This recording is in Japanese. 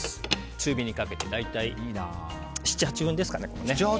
中火にかけて大体、７８分ですかね。